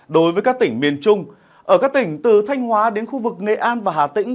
đối với các tỉnh miền trung ở các tỉnh từ thanh hóa đến khu vực nghệ an và hà tĩnh